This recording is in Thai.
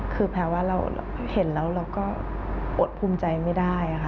คือแปลว่าเราเห็นแล้วเราก็อดภูมิใจไม่ได้ค่ะ